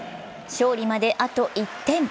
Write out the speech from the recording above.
勝利まで、あと１点。